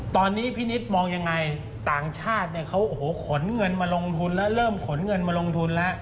ตอนนี้พี่นิดมองยังไงต่างชาติเนี่ยเขาโอ้โหขนเงินมาลงทุนแล้วเริ่มขนเงินมาลงทุนแล้ว